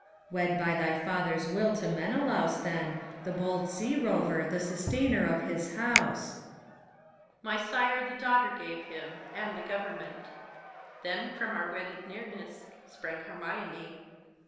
PHORKYAS. Wed by thy father's will to Menelaus then, The bold sea rover, the sustainer of his house. HELENA. My sire the daughter gave him, and the government : Then from our wedded nearness sprang Hermione.